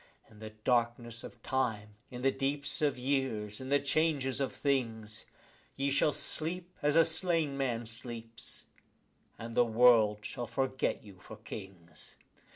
In the darkness of time, in the deeps of the years, in the changes of things, Ye shall sleep as a slain man sleeps, and the world shall forget you for kings.